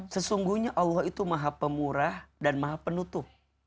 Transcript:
sesungguhnya allah itu maha pemurah dan maha penutup